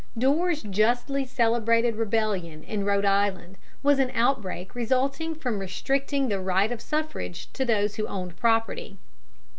Dorr's justly celebrated rebellion in Rhode Island was an outbreak resulting from restricting the right of suffrage to those who owned property.